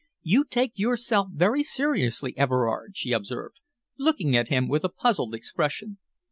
"You take yourself very seriously, Everard," she observed, looking at him with a puzzled expression.